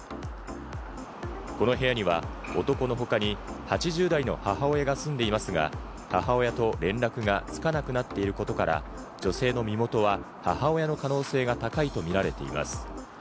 この部屋には男の他に８０代の母親が住んでいますが、母親と連絡がつかなくなっていることから、女性の身元は母親の可能性が高いと見られています。